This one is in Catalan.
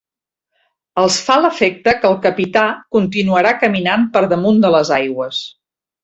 Els fa l'efecte que el capità continuarà caminant per damunt de les aigües.